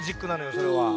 それは？